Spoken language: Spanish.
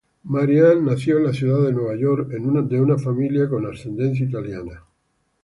Mariah nació en la ciudad de Nueva York, en una familia con ascendencia italiana.